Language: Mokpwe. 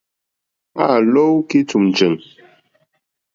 Â lɔ́ ú kítūm chèŋ.